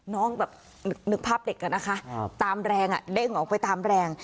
น้องแบบนึกภาพเด็กอะนะคะตามแรงเด้งออกไปตามแรง